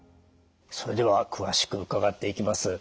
それでは詳しく伺っていきます。